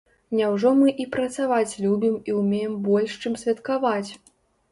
Няўжо мы і працаваць любім і ўмеем больш, чым святкаваць?